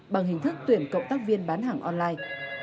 bằng hình thức tuyển cộng tác viên bán hàng online